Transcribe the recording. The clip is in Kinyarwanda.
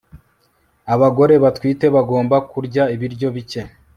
abagore batwite bagomba kurya ibiryo bike